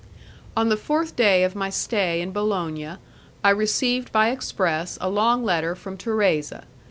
On the fourth day of my stay in Bologna, I received by express a long letter from Thérèse.